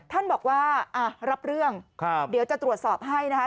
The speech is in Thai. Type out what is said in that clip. ท่านบอกว่ารับเรื่องเดี๋ยวจะตรวจสอบให้นะคะ